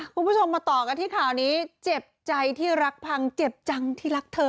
คุณผู้ชมมาต่อกันที่ข่าวนี้เจ็บใจที่รักพังเจ็บจังที่รักเธอ